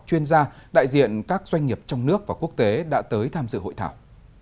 chuyên gia đại diện các doanh nghiệp trong nước và quốc tế đã tới tham dự hội thảo